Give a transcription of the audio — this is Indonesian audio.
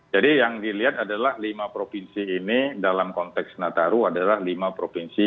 jadi yang dilihat adalah lima provinsi ini dalam konteks nataru adalah lima provinsi